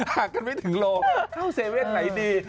หากกันไม่ถึงโลเข้าเว่นไหนดี